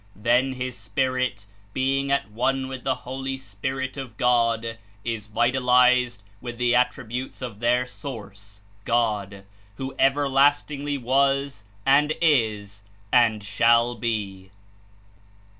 Then his spirit, being at one with the Holy Spirit of God Is "vitalized with the Attributes of their Source, God, who everlast ingly was, and Is, and shall be."